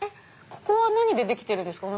ここは何でできてるんですか？